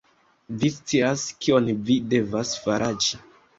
Vi scias, kion vi devas faraĉi